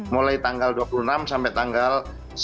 mulai tanggal dua puluh enam sampai tanggal